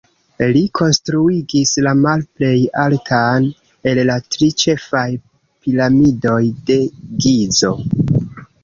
Li konstruigis la malplej altan el la tri ĉefaj Piramidoj de Gizo.